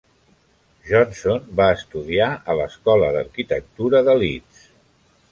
Johnson va estudiar a l'Escola d'Arquitectura de Leeds.